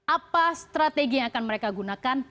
apa strategi yang akan mereka gunakan